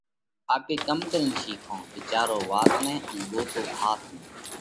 آپي ڪم ڪرينَ شِيکشون؟ وِيچارو وات نئہ ان ڳوتو ۿاس نئہ!